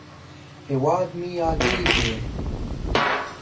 هېواد مې یادیږې!